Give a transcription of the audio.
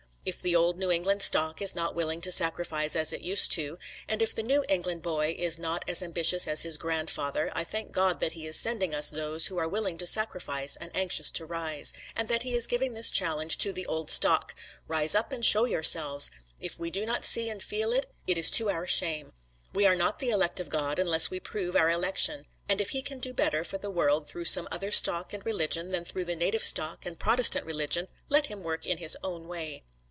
If the old New England stock is not willing to sacrifice as it used to, and if the New England boy is not as ambitious as his grandfather, I thank God that he is sending us those who are willing to sacrifice and anxious to rise; and that he is giving this challenge to the old stock: Rise up and show yourselves! If we do not see and feel it, it is to our shame. We are not the elect of God unless we prove our election, and if He can do better for the world through some other stock and religion than through the native stock and Protestant religion, let Him work in His own way."